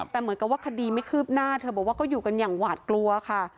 แต่เหมือนกับว่าคดีไม่คืบหน้าเธอบอกว่าก็อยู่กันอย่างหวาดกลัวค่ะ